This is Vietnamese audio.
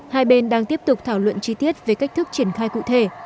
hai bên đang tiếp tục thảo luận chi tiết về cách thức triển khai cụ thể